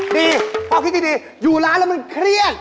นี่พ่อคิดดีอยู่ร้านแล้วมันเครียดเจ๊